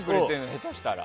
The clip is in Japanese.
下手したら。